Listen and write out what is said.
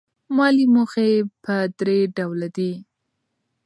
مالي موخې په درې ډوله دي.